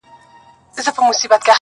-او د شپېلۍ آواز به غونډي درې وڅيرلې-